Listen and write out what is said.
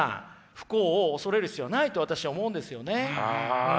不幸を恐れる必要ないと私は思うんですよね。